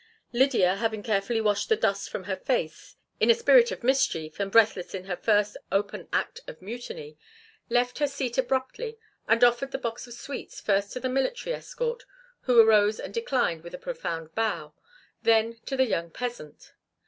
Lydia, having carefully washed the dust from her face, in a spirit of mischief and breathless in her first open act of mutiny, left her seat abruptly and offered the box of sweets first to the military escort, who arose and declined with a profound bow, then to the young peasant.